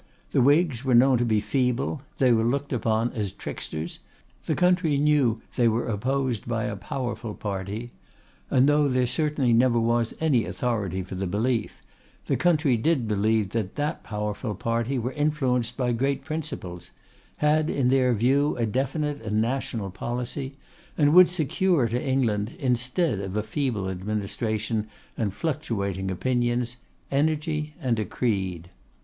The Whigs were known to be feeble; they were looked upon as tricksters. The country knew they were opposed by a powerful party; and though there certainly never was any authority for the belief, the country did believe that that powerful party were influenced by great principles; had in their view a definite and national policy; and would secure to England, instead of a feeble administration and fluctuating opinions, energy and a creed.